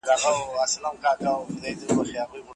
کلونه کېږي د بلا په نامه شپه ختلې